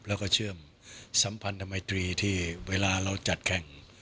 แล้วก็เชื่อมสัมพันธมิตรีที่เวลาเราจัดแข่ง